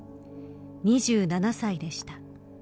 ２７歳でした。